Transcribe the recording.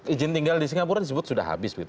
ijin tinggal di singapura disebut sudah habis begitu